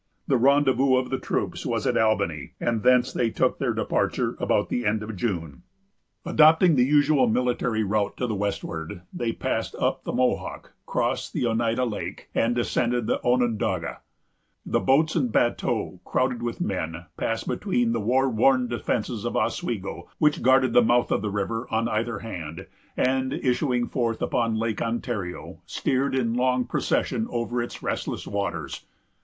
The rendezvous of the troops was at Albany, and thence they took their departure about the end of June. Adopting the usual military route to the westward, they passed up the Mohawk, crossed the Oneida Lake, and descended the Onondaga. The boats and bateaux, crowded with men, passed between the war worn defences of Oswego, which guarded the mouth of the river on either hand, and, issuing forth upon Lake Ontario, steered in long procession over its restless waters.